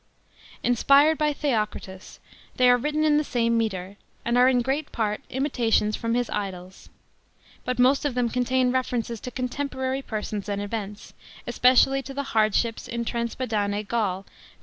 Inspired by Theocritus, they are written in the same metre, and are in great part imitations from his idylls. But most of them contain references to contemporary persons and events, especially to the hardships in Transpadane Haul from which Virgil himself * Eclogue viii.